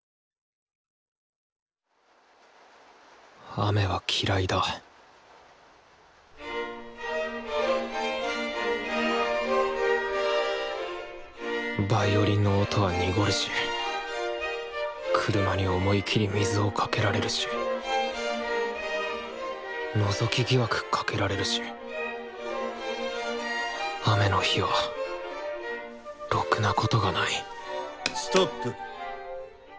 雨は嫌いだヴァイオリンの音はにごるし車に思い切り水をかけられるしのぞき疑惑かけられるし雨の日はろくなことがないストップ。